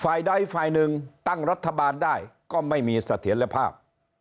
ฝ่ายใดฝ่ายหนึ่งตั้งรัฐบาลได้ก็ไม่มีเสถียรภาพ